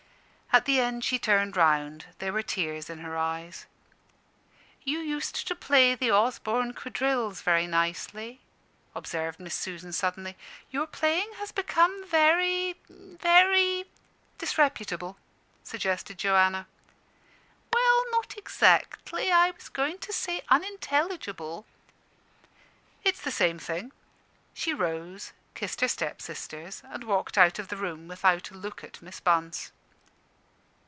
At the end she turned round: there were tears in her eyes. "You used to play the 'Osborne Quadrilles' very nicely," observed Miss Susan, suddenly. "Your playing has become very very " "Disreputable," suggested Joanna. "Well, not exactly. I was going to say 'unintelligible.'" "It's the same thing." She rose, kissed her step sisters, and walked out of the room without a look at Miss Bunce.